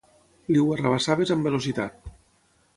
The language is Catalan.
Li ho arrabassaves amb velocitat.